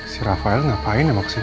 si rafael ngapain emang kesini